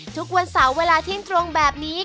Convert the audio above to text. ทุกวันเสาร์เวลาเที่ยงตรงแบบนี้